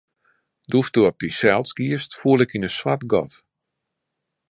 Doe'tsto op dysels giest, foel ik yn in swart gat.